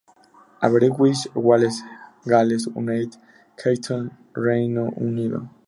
Aberystwyth, Wales-Gales, United Kingdom-Reino Unido.